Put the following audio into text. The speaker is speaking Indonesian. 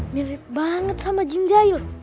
mirip banget sama jun jail